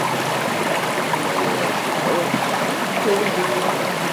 Leḥmala-k meqqret, tewweḍ igenwan.